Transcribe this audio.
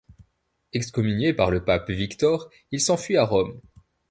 Excommunié par le pape Victor, il s'enfuit à Rome.